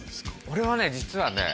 俺はね実はね